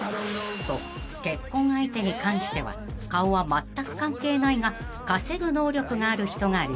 ［と結婚相手に関しては顔はまったく関係ないが稼ぐ能力がある人が理想］